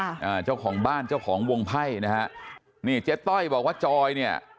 อ่าเจ้าของบ้านเจ้าของวงไพ่นะฮะนี่เจ๊ต้อยบอกว่าจอยเนี่ย